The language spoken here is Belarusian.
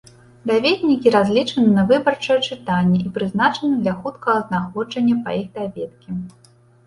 Даведнікі разлічаны на выбарчае чытанне і прызначаны для хуткага знаходжання па іх даведкі.